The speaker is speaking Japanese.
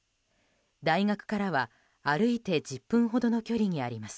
大学からは歩いて１０分ほどの距離にあります。